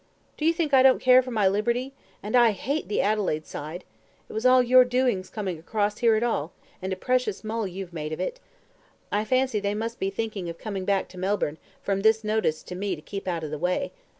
"Do you think I don't care for my liberty? and I hate the Adelaide side. It was all your doings coming across here at all, and a precious mull you've made of it. I fancy they must be thinking of coming back to Melbourne, from this notice to me to keep out of the way.